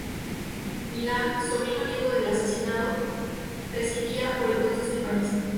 Milan, sobrino nieto del asesinado, residía por entonces en París.